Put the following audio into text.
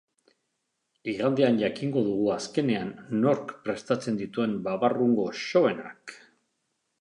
Igandean jakingo dugu, azkenean, nork prestatzen dituen babarrun goxoenak!